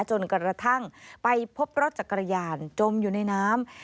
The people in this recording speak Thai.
จนกระทั่งไปพบรถจักรยานจมอยู่ในน้ำ